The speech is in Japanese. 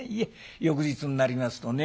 翌日になりますとね